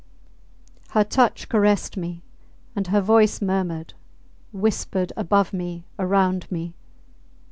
Her touch caressed me, and her voice murmured, whispered above me, around me.